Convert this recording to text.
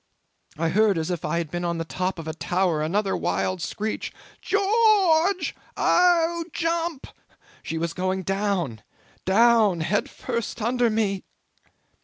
I heard as if I had been on the top of a tower another wild screech, 'Geo o o orge! Oh, jump!' She was going down, down, head first under me.